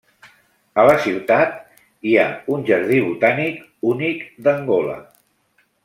A la ciutat hi ha un jardí botànic únic d'Angola.